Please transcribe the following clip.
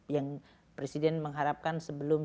yang presiden mengharapkan sebelum